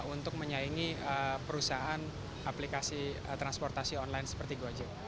untuk menyaingi perusahaan aplikasi transportasi online seperti gojek